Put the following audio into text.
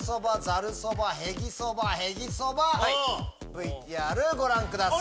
ＶＴＲご覧ください。